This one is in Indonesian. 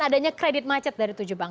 adanya kredit macet dari tujuh bank